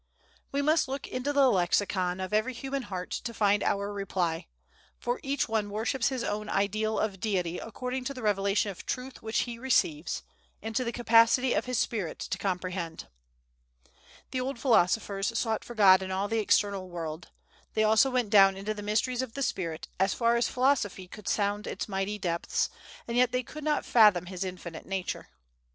We must look into the lexicon of every human heart to find our reply; for each one worships his own Ideal of Deity according to the revelation of Truth which he receives, and to the capacity of his spirit to comprehend. The old philosophers sought for God in all the external world; they also went down into the mysteries of the spirit, as far as philosophy could sound its mighty depths, and yet they could not fathom his infinite nature.